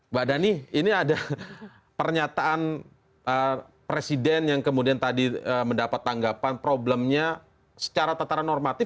mbak dhani ini ada pernyataan presiden yang kemudian tadi mendapat tanggapan problemnya secara tataran normatif